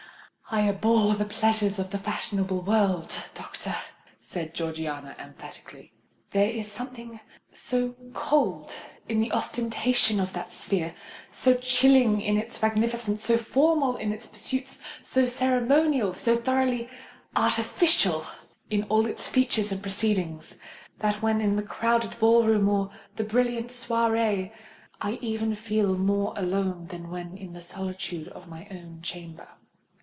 "I abhor the pleasures of the fashionable world, doctor," said Georgiana emphatically. "There is something so cold in the ostentation of that sphere—so chilling in its magnificence—so formal in its pursuits—so ceremonial, so thoroughly artificial in all its features and proceedings, that when in the crowded ball room or the brilliant soirée, I even feel more alone than when in the solitude of my own chamber."